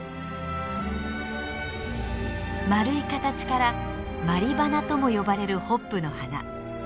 丸い形から「鞠花」とも呼ばれるホップの花。